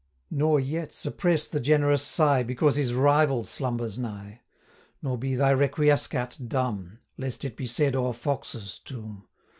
125 Nor yet suppress the generous sigh, Because his rival slumbers nigh; Nor be thy requiescat dumb, Lest it be said o'er Fox's tomb.